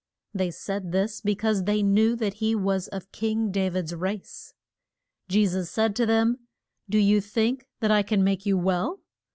They said this be cause they knew that he was of King Da vid's race. Je sus said to them, Do you think that I can make you well?